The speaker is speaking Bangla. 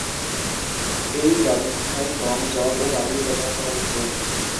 এ ব্যবস্থায় গম, যব ও বার্লি ব্যবহার করা হতো।